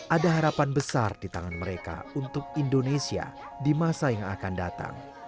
ada harapan besar di tangan mereka untuk indonesia di masa yang akan datang